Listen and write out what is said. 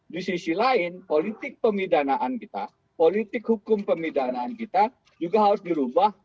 di sisi lain politik pemidanaan kita politik hukum pemidanaan kita juga harus dirubah